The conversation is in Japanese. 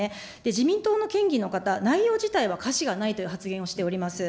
自民党の県議の方、内容自体はかしがないという発言をしております。